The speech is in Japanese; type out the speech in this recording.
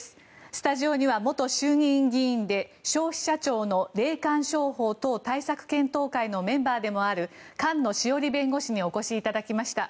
スタジオには元衆議院議員で消費者庁の霊感商法等対策等検討会のメンバーでもある菅野志桜里弁護士にお越しいただきました。